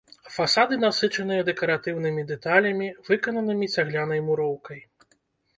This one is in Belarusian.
Фасады насычаныя дэкаратыўнымі дэталямі, выкананымі цаглянай муроўкай.